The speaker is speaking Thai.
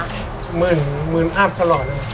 ๑๐๐๐บาทมากตลอดเลย